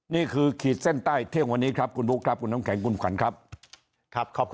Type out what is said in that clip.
นี่คือขีดเส้นใต้เท่าที่วันนี้ครับคุณปุ๊กคุณนามแข็งคุณขวัญครับ